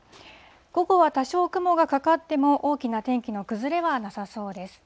午後は多少雲がかかっても、大きな天気の崩れはなさそうです。